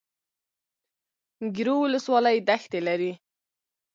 ګیرو ولسوالۍ دښتې لري؟